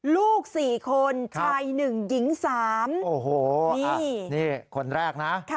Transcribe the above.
ลูกสี่คนชายหนึ่งหญิงสามโอ้โหนี่นี่คนแรกนะครับ